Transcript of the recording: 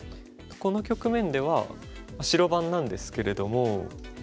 この局面では白番なんですけれども。